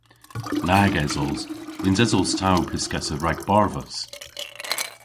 Nag esos. Nyns esos ta ow pyskessa rag barvus.